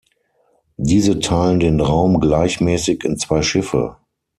Diese teilen den Raum gleichmäßig in zwei Schiffe.